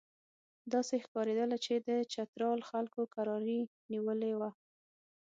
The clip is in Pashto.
داسې ښکارېدله چې د چترال خلکو کراري نیولې وه.